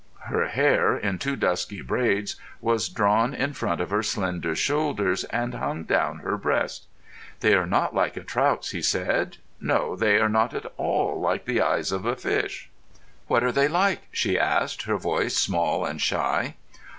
Her hair, in two dusky braids, was drawn in front of her slender shoulders, and hung down her breast. "They are not like a trout's," he said. "No, they are not at all like the eyes of a fish." "What are they like?" she asked, her voice small and shy.